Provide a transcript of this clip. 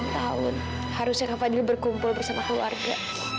tante alena pulang dulu ya